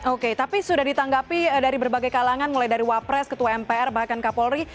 oke tapi sudah ditanggapi dari berbagai kalangan mulai dari wapres ketua mpr bahkan kapolri